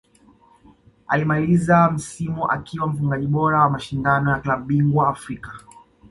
Alimaliza msimu akiwa mfungaji bora wa mashindano ya klabu bingwa Afrika